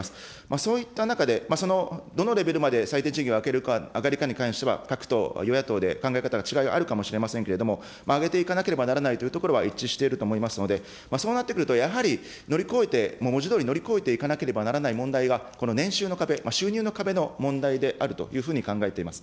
そういった中で、そのどのレベルまで最低賃金を上げるかに関しては、各党、与野党で考え方の違いはあるかもしれませんけれども、上げていかなければならないというところは一致していると思いますので、そうなってくると、やはり乗り越えて、文字どおり乗り越えていかなければならない問題が、この年収の壁、収入の壁の問題であるというふうに考えています。